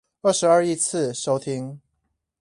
二十二億次收聽